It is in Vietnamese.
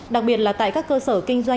đặc biệt là tại các cơ sở kinh doanh